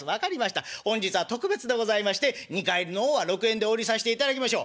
本日は特別でございまして二荷入りの方は６円でお売りさせていただきましょう」。